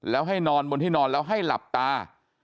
แล้วให้นอนบนที่นอนแล้วให้หลับตา